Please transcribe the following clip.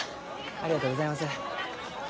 ありがとうございます。